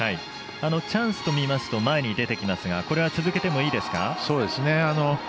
チャンスとみますと前に出てきますがこれは続けてもいいですか。